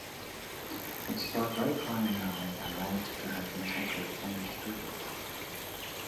It sparked outcry in Mali and led to her being heckled on the street.